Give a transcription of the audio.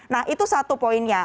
nah itu satu poinnya